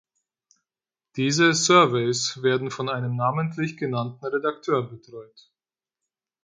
Diese „"Surveys"“ werden von einem namentlich genannten Redakteur betreut.